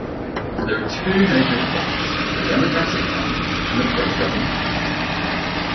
There are two major blocs: the democratic camp and the pro-government camp.